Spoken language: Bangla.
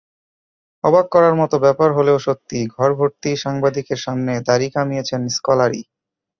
অবাক করার মতো ব্যাপার হলেও সত্যি, ঘরভর্তি সাংবাদিকের সামনে দাড়ি কামিয়েছেন স্কলারি।